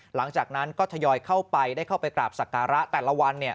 หลังจากนั้นก็ทยอยเข้าไปได้เข้าไปกราบศักระแต่ละวันเนี่ย